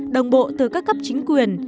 đồng bộ từ các cấp chính quyền